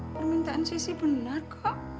permintaan sisi benar kok